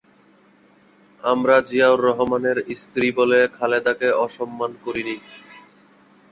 আমরা জিয়াউর রহমানের স্ত্রী বলে খালেদাকে অসম্মান করিনি।